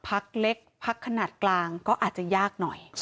พักเล็กพักขนาดกลางก็อาจจะยากหน่อย